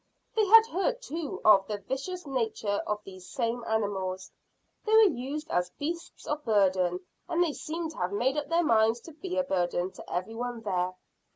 They had heard too of the vicious nature of these same animals. They were used as beasts of burden, and they seemed to have made up their minds to be a burden to every one there.